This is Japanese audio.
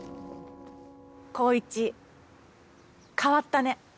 紘一変わったね。